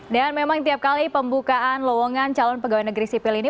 dan memang tiap kali pembukaan lowongan calon pegawai negeri sipil ini